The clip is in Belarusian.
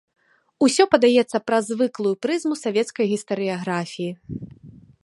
Усё падаецца праз звыклую прызму савецкай гістарыяграфіі.